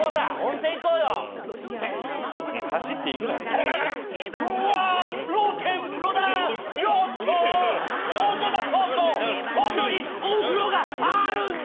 やめろ外にお風呂があるんだ！